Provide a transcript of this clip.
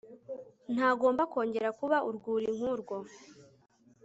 Ntagomba kongera kuba urwuri nkurwo